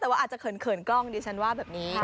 แต่ว่าอาจจะเขินกล้องดิฉันว่าแบบนี้